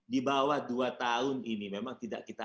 di bawah dua tahun ini memang tidak kita